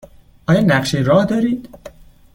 آیا نقشه راه دارید؟